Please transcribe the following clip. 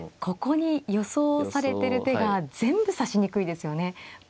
ここに予想されてる手が全部指しにくいですよね。